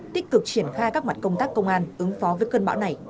tích cực triển khai các mặt công tác công an ứng phó với cơn bão này